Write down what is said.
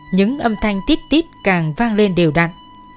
những âm thanh tít tít càng vang lên điều đặn